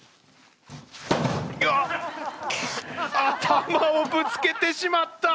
頭をぶつけてしまった！